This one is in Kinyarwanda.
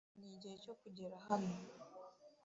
Nigihe cyo kugera hano!